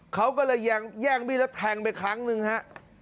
เขาก็เลยแย่งมีดแล้วแทงไปครั้งหนึ่งฮะ